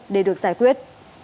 để được giải quyết